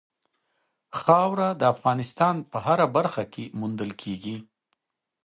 خاوره د افغانستان په هره برخه کې موندل کېږي.